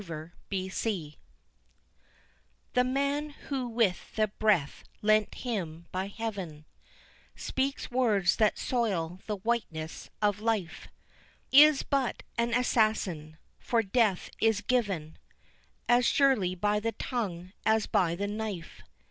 ] Slander The man who with the breath lent him by heaven Speaks words that soil the whiteness of a life Is but an assassin, for death is given As surely by the tongue, as by the knife.